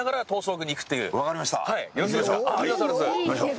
ありがとうございます。